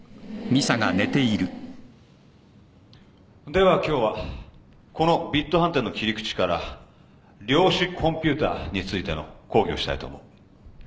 では今日はこのビット反転の切り口から量子コンピューターについての講義をしたいと思う。